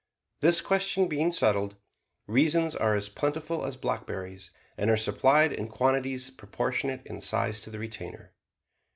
This question being settled, reasons are as plentiful as blackberries, and are supplied in quantities proportionate in size to the retainer.